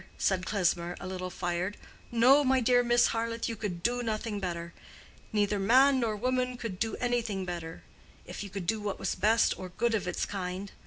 said Klesmer, a little fired. "No, my dear Miss Harleth, you could do nothing better—neither man nor woman could do anything better—if you could do what was best or good of its kind.